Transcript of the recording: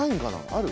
ある？